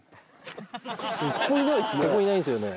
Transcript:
ここいないですね。